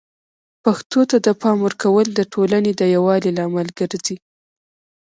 پښتو ته د پام ورکول د ټولنې د یووالي لامل ګرځي.